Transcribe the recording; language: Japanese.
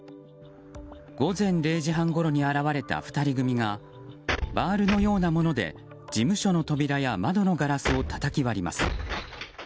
午前０時半ごろに現れた２人組がバールのようなもので事務所の扉や窓のガラスをたたき割ります。